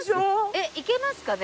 えっ行けますかね？